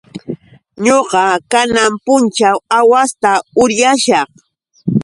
Ñuqa kanan punćhaw aawasta uryashaq.